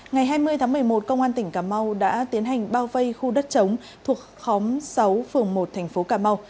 ngày hai mươi tháng một mươi một công an tỉnh cà mau đã tiến hành bao vây khu đất chống thuộc khóm sáu phường một thành phố cà mau